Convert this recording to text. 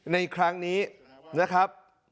ในครั้งนี้นะครับ